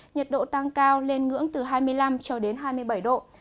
nhiệt độ tăng cao lên ngưỡng từ hai mươi năm cho đến hai mươi bảy độ